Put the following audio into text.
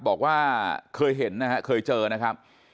บอกว่าเคยเห็นนะฮะเคยเจอนะครับ